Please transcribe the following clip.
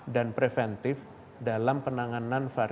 dan preventif dalam penanganan varian baru